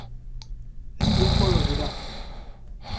El tiempo lo dirá.